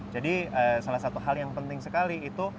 jadi salah satu hal yang penting sekali itu